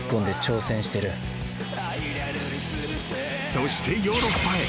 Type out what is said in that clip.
［そしてヨーロッパへ。